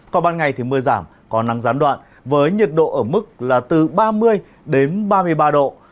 còn ban ngày thì mưa giảm còn nắng gián đoạn với nhiệt độ ở mức là từ ba mươi đến ba mươi ba độ